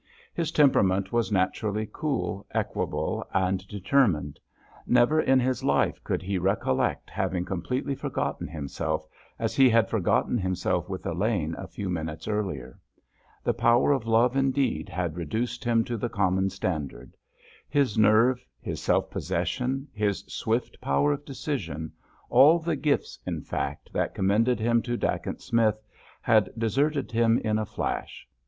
His temperament was naturally cool, equable, and determined. Never in his life could he recollect having completely forgotten himself, as he had forgotten himself with Elaine a few minutes earlier. The power of love, indeed, had reduced him to the common standard. His nerve, his self possession, his swift power of decision—all the gifts, in fact, that commended him to Dacent Smith, had deserted him in a flash.